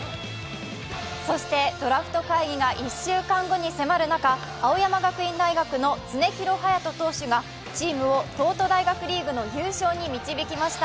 そしてドラフト会議が１週間後に迫る中、青山学院大学の常廣羽也斗投手がチームを東都大学リーグの優勝に導きました。